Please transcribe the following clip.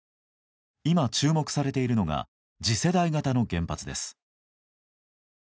今、注目されているのが次世代型の原発です。